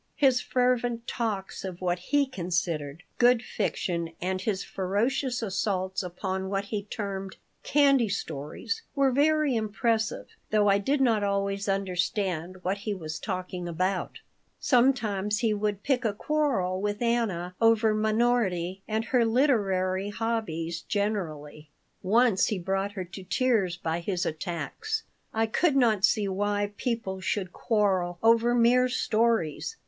His fervent talks of what he considered good fiction and his ferocious assaults upon what he termed "candy stories" were very impressive, though I did not always understand what he was talking about. Sometimes he would pick a quarrel with Anna over Minority and her literary hobbies generally. Once he brought her to tears by his attacks. I could not see why people should quarrel over mere stories.